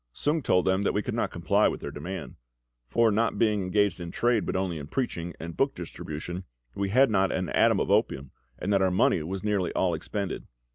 Sung told them that we could not comply with their demand; for, not being engaged in trade, but only in preaching and book distribution, we had not an atom of opium, and that our money was nearly all expended.